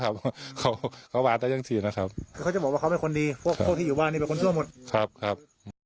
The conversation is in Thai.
ครับครับ